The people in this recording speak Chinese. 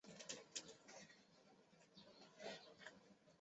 对羟基苯甲酸酯可由对羟基苯甲酸加上适当的醇的酯化反应制成。